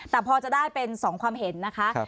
แต่พอจะได้เป็น๒ความเห็นนะคะ